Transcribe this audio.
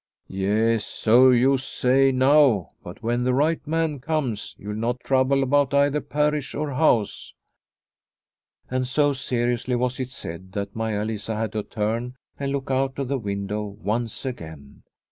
" Yes, so you say now; but when the right man comes, you'll not trouble about either parish or house." 146 Liliecrona's Home And so seriously was it said that Maia Lisa had to turn and look out of the window once again.